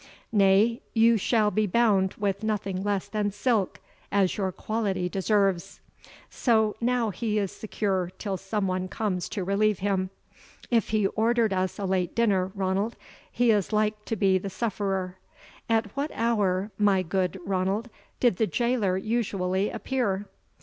nay, you shall be bound with nothing less than silk, as your quality deserves. So, now he is secure till some one comes to relieve him. If he ordered us a late dinner, Ranald, he is like to be the sufferer; at what hour, my good Ranald, did the jailor usually appear?"